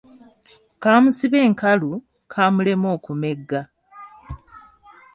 Kaamusiba enkalu, kaamulema okumegga.